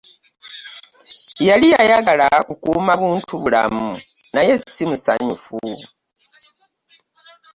Yali yayagala kukuuma buntu bulamu naye si musanyufu.